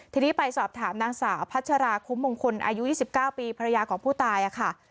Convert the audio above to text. ทีนี้ไปสอบถามนางสาวพัชราคุ้มมงคลอายุยี่สิบเก้าปีภรรยากองผู้ตายอ่ะค่ะ